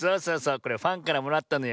これファンからもらったのよ。